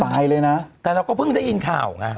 เลยนะแต่เราก็เพิ่งได้ยินข่าวไง